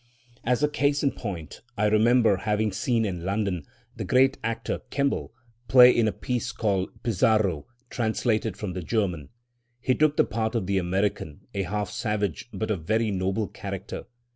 As a case in point, I remember having seen in London the great actor Kemble play in a piece called Pizarro, translated from the German. He took the part of the American, a half savage, but of very noble character.